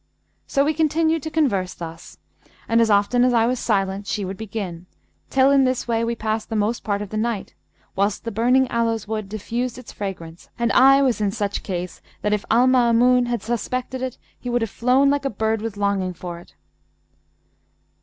So we continued to converse thus, and as often as I was silent, she would begin, till in this way we passed the most part of the night, whilst the burning aloes wood diffused its fragrance and I was in such case that if Al Maamun had suspected it, he would have flown like a bird with longing for it.